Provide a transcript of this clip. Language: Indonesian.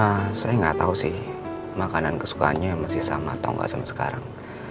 ehm saya gak tau sih makanan kesukaannya masih sama atau gak sama sekarang